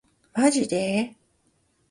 マジで